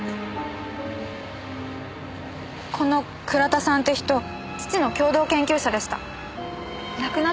この倉田さんって人父の共同研究者でした。